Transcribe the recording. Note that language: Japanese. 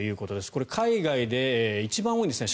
これ、海外で一番多いんですね。